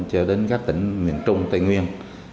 cho đến các tỉnh miền trung tây nguyên